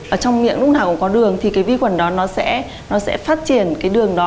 ở trong miệng lúc nào cũng có đường thì cái vi khuẩn đó nó sẽ nó sẽ phát triển cái đường đó